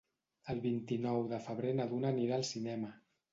El vint-i-nou de febrer na Duna anirà al cinema.